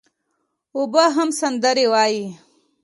اوبه هم سندري وايي.